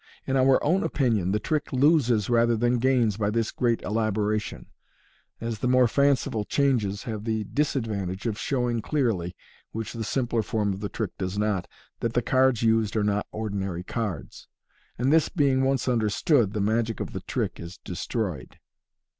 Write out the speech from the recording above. In our own opinion, the trick loses rather than gains by this greater elaboration, as the more fanciful changes have the dis advantage of showing clearly (which the simpler form of the trick does not) that the cards used are not ordinary cards j and this being once understood, the magic of the trick is destroyed.